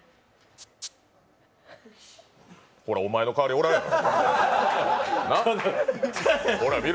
ほら、お前の代わりおらんやろ、ほらみろ。